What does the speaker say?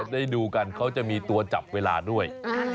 ได้ดูกันเขาจะมีตัวจับเวลาด้วย